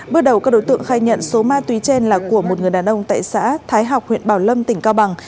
bước đầu các đối tượng khai nhận số ma túy trên là của một người đàn ông tại xã thái học huyện bảo lâm tỉnh cao bằng